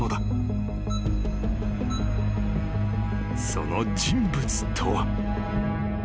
［その人物とは］